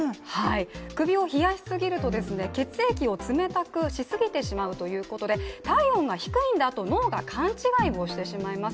首を冷やしすぎると血液を冷たくなりすぎて体温が低いんだと脳が勘違いをしてしまいます。